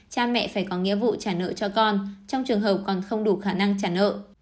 cha mẹ phải có nghĩa vụ trả nợ cho con trong trường hợp còn không đủ khả năng trả nợ